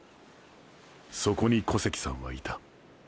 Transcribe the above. そこに小関さんはいた。